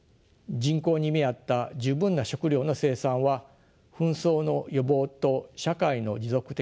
人口に見合った十分な食糧の生産は紛争の予防と社会の持続的発展に欠かせません。